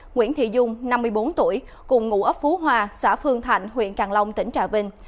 nguyễn thị dung năm mươi bốn tuổi cùng ngụ ấp phú hòa xã phương thạnh huyện càng long tỉnh trà vinh